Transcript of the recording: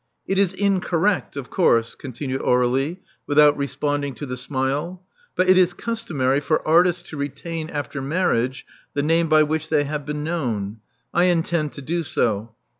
"It is incorrect, of course," continued Aur^lie, without responding to the smile; "but it is customary for artists to retain, after marriage, the name by which they have been known. I intend to do so.